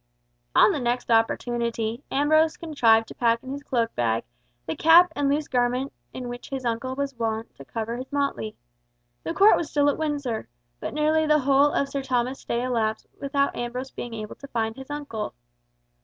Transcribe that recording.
On the next opportunity, Ambrose contrived to pack in his cloak bag, the cap and loose garment in which his uncle was wont to cover his motley. The Court was still at Windsor; but nearly the whole of Sir Thomas's stay elapsed without Ambrose being able to find his uncle.